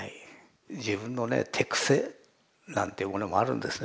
自分のね手癖なんていうものもあるんですね。